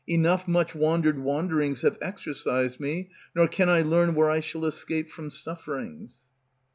Enough much wandered wanderings Have exercised me, nor can I learn where I shall escape from sufferings.